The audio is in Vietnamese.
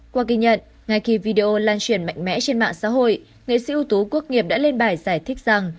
qua ghi nhận ngay khi video lan truyền mạnh mẽ trên mạng xã hội nghệ sĩ ưu tú quốc nghiệp đã lên bài giải thích rằng